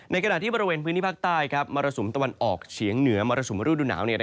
ขณะที่บริเวณพื้นที่ภาคใต้มรสุมตะวันออกเฉียงเหนือมรสุมฤดูหนาว